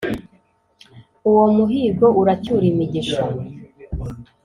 uwo muhigo uracyura imigisha